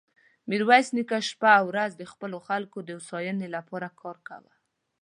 ميرويس نيکه شپه او ورځ د خپلو خلکو د هوساينې له پاره کار کاوه.